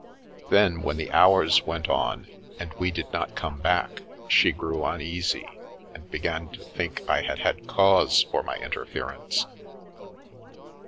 Then, when the hours went on and we did not come back, she grew uneasy, and began to think I had had cause for my interference.